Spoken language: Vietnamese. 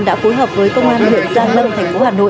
đã phối hợp với công an huyện gia lâm thành phố hà nội